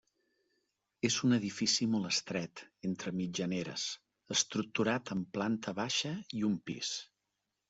És un edifici molt estret, entre mitjaneres estructurat en planta baixa i un pis.